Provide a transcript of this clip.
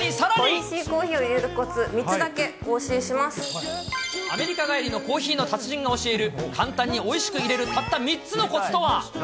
おいしいコーヒーをいれるこアメリカ帰りのコーヒーの達人が教える、簡単においしく入れるたった３つのこつとは。